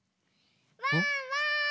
ワンワーン！